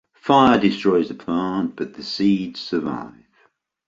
Fire destroys the plant but the seeds survive.